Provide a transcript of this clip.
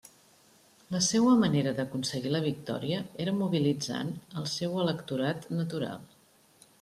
La seua manera d'aconseguir la victòria era mobilitzant el seu electorat natural.